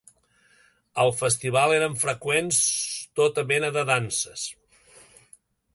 Al festival eren freqüents tota mena de danses.